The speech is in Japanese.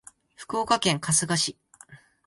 福岡県春日市